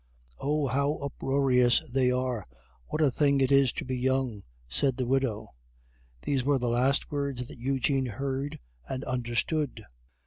"Oh! how uproarious they are! what a thing it is to be young!" said the widow. These were the last words that Eugene heard and understood.